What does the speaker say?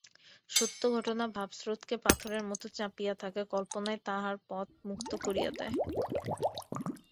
সত্য ঘটনা ভাবস্রোতকে পাথরের মতো চাপিয়া থাকে, কল্পনাই তাহার পথ মুক্ত করিয়া দেয়।